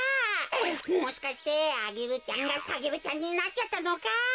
もしかしてアゲルちゃんがサゲルちゃんになっちゃったのか？